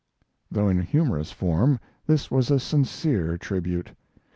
Though in humorous form, this was a sincere tribute.